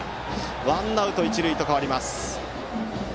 ワンアウト一塁と変わります。